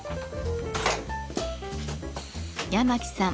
八巻さん